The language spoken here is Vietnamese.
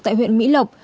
tại huyện mỹ lộc